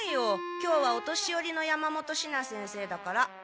今日はお年よりの山本シナ先生だから。